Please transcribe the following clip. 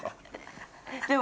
でも。